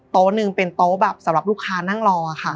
หนึ่งเป็นโต๊ะแบบสำหรับลูกค้านั่งรอค่ะ